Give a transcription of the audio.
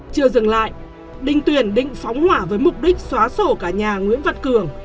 chưa dừng lại đinh tuyển định phóng hỏa với mục đích xóa sổ cả nhà nguyễn văn cường